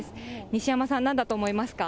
西山さん、なんだと思いますか？